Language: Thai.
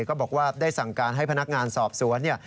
ก็บอกว่าได้สั่งการให้พนักงานสอบสวนเนี่ย